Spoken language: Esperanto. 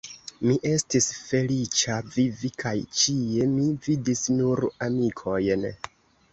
Mi estis feliĉa vivi, kaj ĉie mi vidis nur amikojn.